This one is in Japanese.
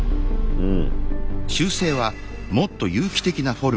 うん。